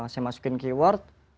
saya masukin keyword